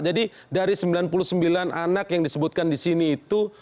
jadi dari sembilan puluh sembilan anak yang disebutkan di sini itu